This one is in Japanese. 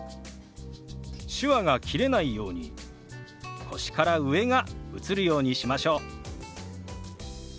手話が切れないように腰から上が映るようにしましょう。